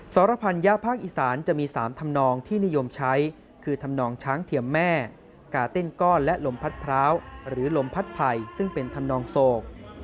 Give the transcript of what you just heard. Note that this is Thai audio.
สรพันยะภาคอีสานจะมี๓ธรรมนองที่นิยมใช้คือทำนองช้างเทียมแม่กาเต้นก้อนและลมพัดพร้าวหรือลมพัดไผ่ซึ่งเป็นธรรมนองโศก